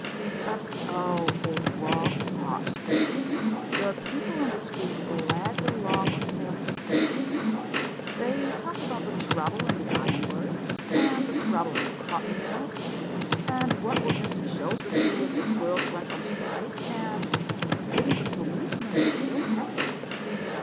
But oh, it was hot! The people in the streets lagged along with pale faces. They talked about the trouble in the ironworks, and the trouble in the cotton mills, and what would Mr Joseph do if his girls went on strike, and didn't the policemen look ill tempered?